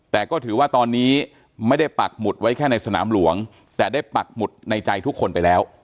แต่ก็ถือว่าตอนนี้ไม่ได้ปักหมุดไว้แค่ในสนามหลวงแต่ได้ปักหมุดในใจทุกคนไปแล้ว